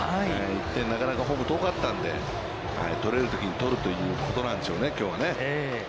１点、なかなかホームが遠かったので取れるときに取るということなんでしょうね、きょうは。